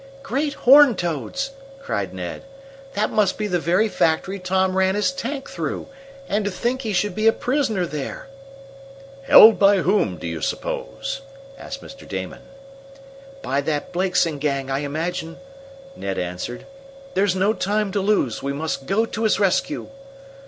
"Great horned toads!" cried Ned. "That must be the very factory Tom ran his tank through. And to think he should be a prisoner there!" "Held by whom, do you suppose?" asked Mr. Damon. "By that Blakeson gang, I imagine," Ned answered. "There's no time to lose. We must go to his rescue!"